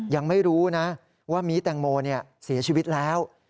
ยังไม่รู้นะว่ามีแตงโมเสียชีวิตแล้ว